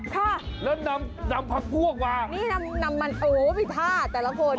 ใช่แล้วนำผักพวกมานี่นำมันไปท่าแต่ละคน